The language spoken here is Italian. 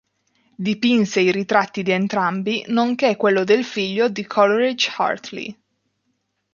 Dipinse i ritratti di entrambi, nonché quello del figlio di Coleridge Hartley.